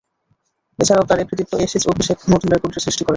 এছাড়াও তার এ কৃতিত্ব অ্যাশেজ অভিষেক নতুন রেকর্ডের সৃষ্টি করে।